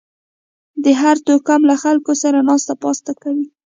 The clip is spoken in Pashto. د هر توکم له خلکو سره ناسته پاسته کوئ